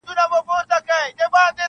• يوه ورځ سره غونډيږي -